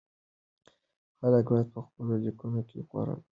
خلک بايد په خپلو ليکنو کې غور وکړي.